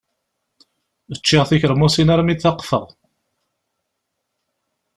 Ččiɣ tikeṛmusin armi taqfeɣ.